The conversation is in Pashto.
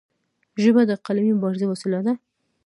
ژبه د قلمي مبارزې وسیله ده.